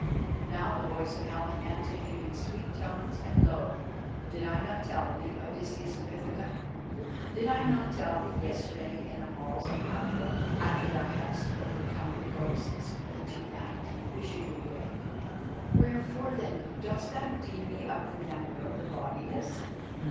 Now the voice of Helen answered him in sweet tones and low: "Did I not tell thee, Odysseus of Ithaca, did I not tell thee, yesterday in the halls of Hathor, after thou hadst overcome the ghosts, that to night we should be wed? Wherefore, then, dost thou deem me of the number of the bodiless?"